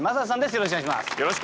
よろしくお願いします。